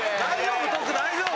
大丈夫？